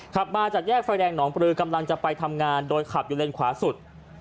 ขับมาจากแยกไฟแดงหนองปลือกำลังจะไปทำงานโดยขับอยู่เลนขวาสุด